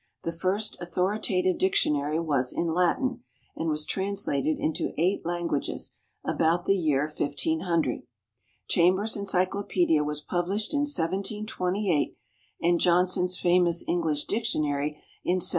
The first authoritative dictionary was in Latin, and was translated into eight languages about the year 1500. Chamber's Encyclopedia was published in 1728, and Johnson's famous English dictionary in 1755.